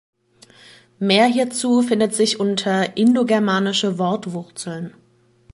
Mehr hierzu findet sich unter Indogermanische Wortwurzeln.